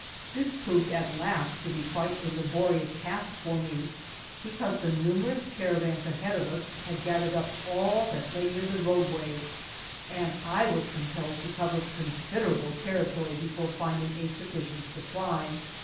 This proved at last to be quite a laborious task for me, because the numer ous caravans ahead of us had gathered up all that lay near the roadway and I was compelled to cover con siderable territory before finding a sufficient supply.